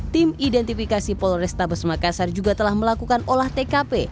tim identifikasi polrestabes makassar juga telah melakukan olah tkp